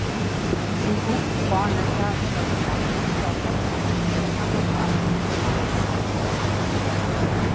Жыгыку гъуанэ лъагэм абыхэм фо къыщагъуэтым, фо хьэкӀуэр къащтэри жыгым тетӀысхьэжащ.